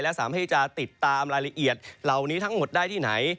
และสามารถที่จะติดตามรายละเอียดเหล่านี้ทั้งหมดได้ที่ไหน